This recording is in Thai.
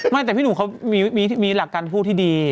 ไม่แต่พี่หนุ่มเขามีหลักการพูดที่ดี